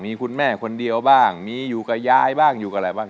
มีคุณแม่คนเดียวบ้างมีอยู่กับยายบ้างอยู่กับอะไรบ้าง